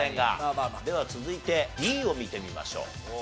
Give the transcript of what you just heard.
では続いてＤを見てみましょう。